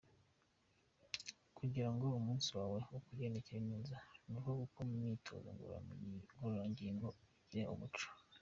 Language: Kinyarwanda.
Kugira ngo umunsi wawe ukugendekere neza ni uko gukora imyitozo ngororangingo ubigira umuco.